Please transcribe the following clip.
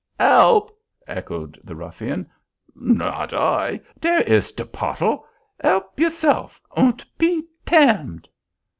"Elp!" echoed the ruffian, "not I. Dare iz te pottle—elp yourself, und pe tam'd!"